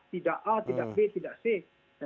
tidak a tidak b tidak c